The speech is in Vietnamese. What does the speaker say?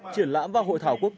triển lãm và hội thảo quốc tế